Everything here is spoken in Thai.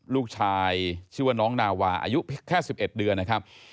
ลูกชายชื่อว่าน้องนาวาอายุแค่๑๑เดือนนะครับ